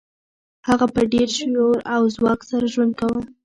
هغه په ډیر شور او ځواک سره ژوند کاوه